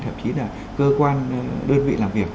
thậm chí là cơ quan đơn vị làm việc